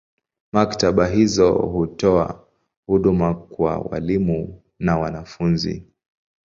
Maktaba hizi hutoa huduma kwa walimu na wanafunzi.